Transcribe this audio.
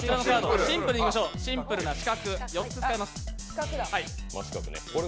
シンプルな四角４つ使います。